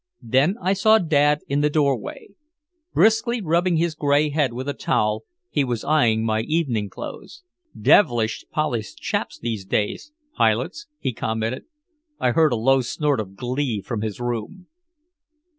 Then I saw Dad in the doorway. Briskly rubbing his gray head with a towel, he was eyeing my evening clothes. "Devilish polished chaps these days pilots," he commented. I heard a low snort of glee from his room.